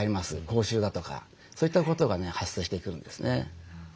口臭だとかそういったことがね発生してくるんですね。